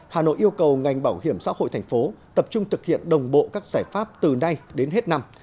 hà nội yêu cầu ngành bảo hiểm xã hội thành phố tập trung thực hiện đồng bộ các giải pháp từ nay đến hết năm